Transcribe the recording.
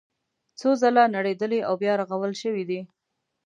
څو ځله نړېدلي او بیا رغول شوي دي.